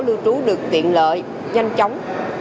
lưu trú được tiện lợi nhanh chóng